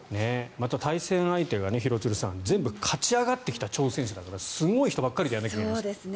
また対戦相手が廣津留さん全部勝ち上がってきた挑戦者だからすごい人ばかりとやらないといけない。